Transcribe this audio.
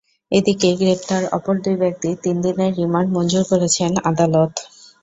এদিকে গ্রেপ্তার অপর দুই ব্যক্তির তিন দিনের রিমান্ড মঞ্জুর করেছেন আদালত।